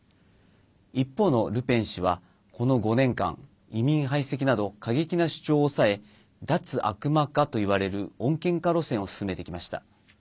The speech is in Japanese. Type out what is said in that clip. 一方のルペン氏は、この５年間移民排斥など過激な主張を抑え脱悪魔化といわれる穏健化路線を進めてきました。